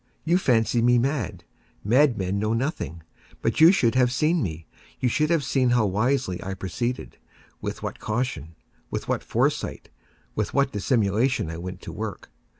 You fancy me mad. Madmen know nothing. But you should have seen me. You should have seen how wisely I proceeded—with what caution—with what foresight—with what dissimulation I went to work!